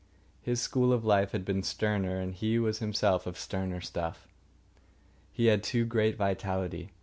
His school of life had been sterner, and he was himself of sterner stuff. He had too great vitality.